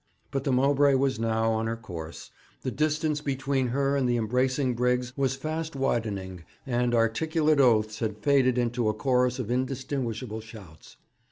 But the Mowbray was now on her course; the distance between her and the embracing brigs was fast widening, and articulate oaths had faded into a chorus of indistinguishable shouts.